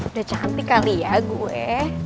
udah cantik kali ya gue